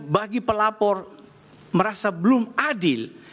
bagi pelapor merasa belum adil